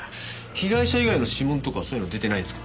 被害者以外の指紋とかそういうの出てないですか？